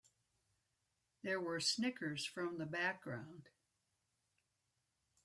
There were snickers from the background.